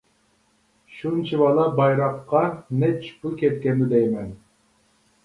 شۇنچىۋالا بايراققا نەچچە پۇل كەتكەندۇ دەيمەن.